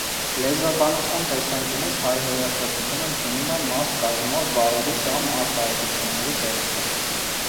Լեզվաբանության տեսանկյունից, հայհոյախոսությունը ընդունում է մաս կազմող բառերի կամ արտահայտությունների տեսքը։